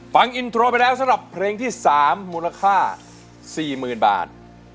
ฟังอินโทรไปแล้วสำหรับเพลงที่๓มูลค่า๔๐๐๐บาท